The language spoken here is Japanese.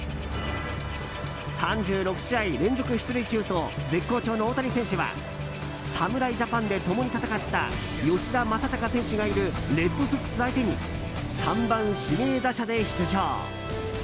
３６試合連続出塁中と絶好調の大谷選手は侍ジャパンで共に戦った吉田正尚選手がいるレッドソックス相手に３番指名打者で出場。